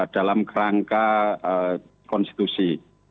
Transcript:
dalam rangka konstitusi